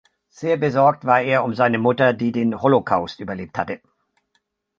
Sehr besorgt war er um seine Mutter, die den Holocaust überlebt hatte.